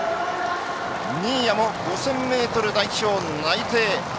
新谷も５０００ｍ代表内定です。